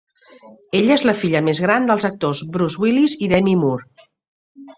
Ella és la filla més gran dels actors Bruce Willis i Demi Moore.